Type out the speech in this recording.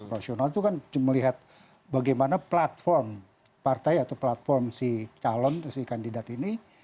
rasional itu kan melihat bagaimana platform partai atau platform si calon atau si kandidat ini